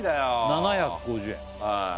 ７５０円